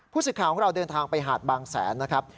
สิทธิ์ข่าวของเราเดินทางไปหาดบางแสนนะครับ